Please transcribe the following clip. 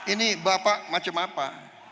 ini bapak macam apa